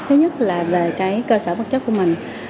thứ nhất là về cái cơ sở vật chất của mình